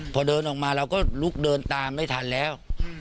พอเดินออกมาเราก็ลุกเดินตามไม่ทันแล้ว